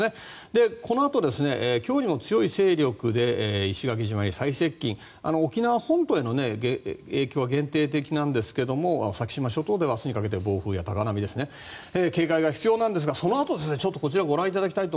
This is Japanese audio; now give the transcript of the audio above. このあと今日にも強い勢力で石垣島に最接近し沖縄本島への影響は限定的なんですが先島諸島では明日にかけて暴風や高波に警戒が必要なんですがそのあとこちらご覧ください。